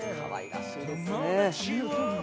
かわいらしいですね。